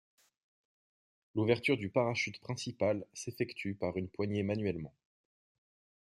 L'ouverture du parachute principal s'effectue par une poignée manuellement.